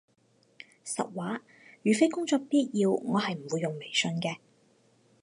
實話，如非工作必要，我係唔會用微信嘅